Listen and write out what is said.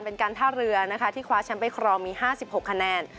เป็นการท่าเรือนะคะที่คว้าแชมป์ไปครองมี๕๖คะแนน